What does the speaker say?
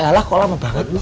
elah kok lama banget lu